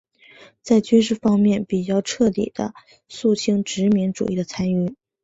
在军事方面比较彻底地肃清殖民主义的残余。